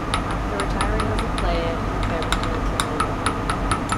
After retiring as a player, Uecker returned to Milwaukee.